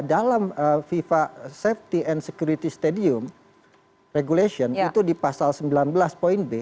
dalam fifa safety and security stadium regulation itu di pasal sembilan belas poin b